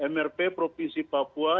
mrp provinsi papua